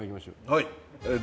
はい。